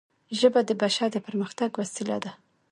ژبه د بشر د پرمختګ وسیله ده